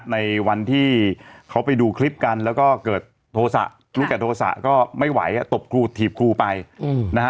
ในวันที่เขาไปดูคลิปกันแล้วก็เกิดโทษะรู้แก่โทษะก็ไม่ไหวตบครูถีบครูไปนะฮะ